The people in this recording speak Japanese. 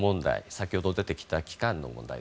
先ほど出てきた期間の問題。